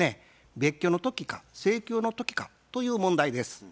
別居の時か請求の時かという問題です。